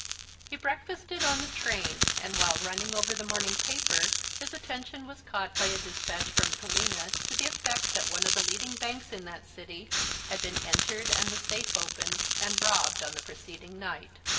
He breakfasted on the train, and while running over the morning paper, his attention was caught by a despatch from Galena to the effect that one of the leading banks in that city had been entered and the safe opened and robbed on the preceding night.